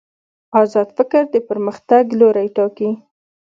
ازاد فکر د پرمختګ لوری ټاکي.